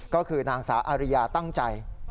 ก็คือนางสาวอาริยาตั้งใจ